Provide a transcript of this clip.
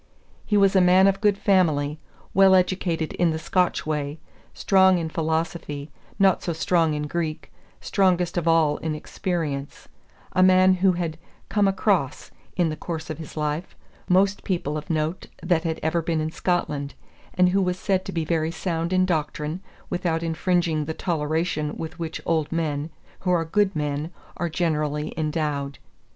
He was a man of good family, well educated in the Scotch way, strong in philosophy, not so strong in Greek, strongest of all in experience, a man who had "come across," in the course of his life, most people of note that had ever been in Scotland, and who was said to be very sound in doctrine, without infringing the toleration with which old men, who are good men, are generally endowed.